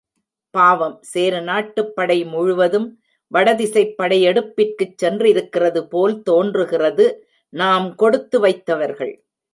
பாவம், சேர நாட்டுப் படை முழுவதும் வடதிசைப் படையெடுப்பிற்குச் சென்றிருக்கிறதுபோல் தோன்றுகிறது நாம் கொடுத்து வைத்தவர்கள்.